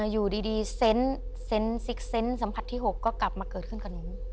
อยู่ดีเซนต์ซิกเซนต์สัมผัสที่๖ก็กลับมาเกิดขึ้นกับหนู